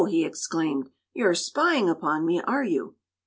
he exclaimed; "you're spying upon me, are you?"